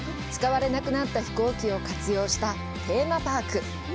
使われなくなった飛行機を活用したテーマパーク。